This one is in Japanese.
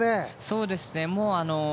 そうですね。